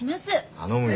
頼むよ。